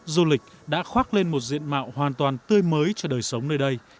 du lịch đã khoác lên một diện mạo hoàn toàn tươi mới cho đời sống nơi đây